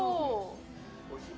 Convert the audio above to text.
おいしい？